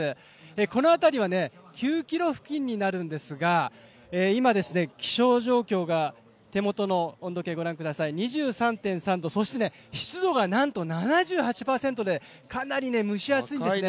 この辺りは９ｋｍ付近になるんですが今、気象情報が手元の温度計、２３．３度、そして湿度が７８％で、かなり蒸し暑いんですね。